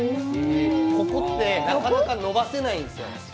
ここってなかなか伸ばせないんですよ。